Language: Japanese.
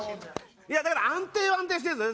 だから安定は安定してるんです。